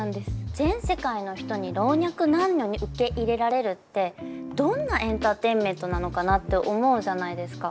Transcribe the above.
全世界の人に老若男女に受け入れられるってどんなエンターテインメントなのかなって思うじゃないですか。